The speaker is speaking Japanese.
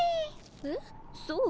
えっそう？